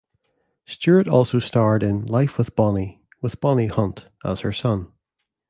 Stewart also starred in "Life With Bonnie" with Bonnie Hunt, as her son.